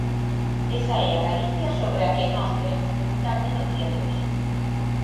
Esa é a Galicia sobre a que nós queremos preguntarlle no día de hoxe.